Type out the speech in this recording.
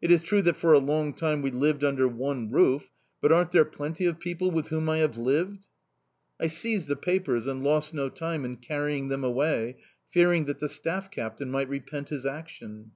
It is true that for a long time we lived under one roof... but aren't there plenty of people with whom I have lived?"... I seized the papers and lost no time in carrying them away, fearing that the staff captain might repent his action.